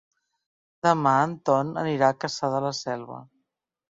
Demà en Ton anirà a Cassà de la Selva.